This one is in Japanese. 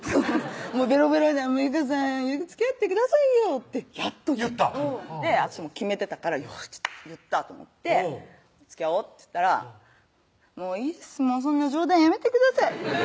もうベロベロで「有果さんつきあってくださいよ」とやっと私も決めてたからよし言ったと思って「つきあおう」っつったら「もういいですそんな冗談やめてください」